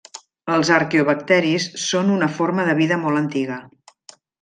Els arqueobacteris són una forma de vida molt antiga.